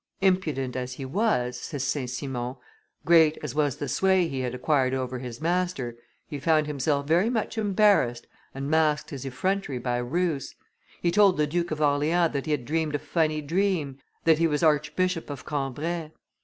"Impudent as he was," says St. Simon, "great as was the sway he had acquired over his master, he found himself very much embarrassed, and masked his effrontery by ruse; he told the Duke of Orleans that he had dreamed a funny dream, that he was Archbishop of Cambrai.